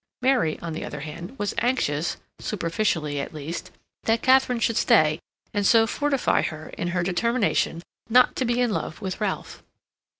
Mary, on the other hand, was anxious, superficially at least, that Katharine should stay and so fortify her in her determination not to be in love with Ralph.